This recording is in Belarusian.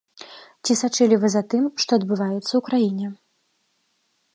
Ці сачылі вы за тым, што адбываецца ў краіне?